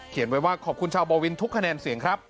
ไว้ว่าขอบคุณชาวบ่อวินทุกคะแนนเสียงครับ